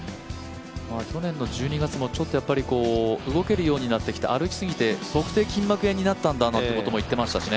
去年の１２月もちょっと動けるようになってきた、歩きすぎて足底筋膜炎になったんだっていう話もしてましたからね。